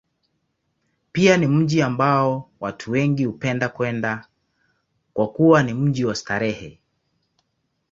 Pia ni mji ambao watu wengi hupenda kwenda, kwa kuwa ni mji wa starehe.